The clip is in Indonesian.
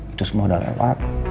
itu semua udah lewat